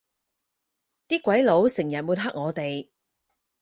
啲鬼佬成日抹黑我哋